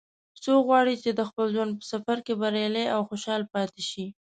څوک غواړي چې د خپل ژوند په سفر کې بریالی او خوشحاله پاتې شي